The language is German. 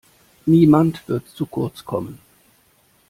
Niemand wird zu kurz kommen.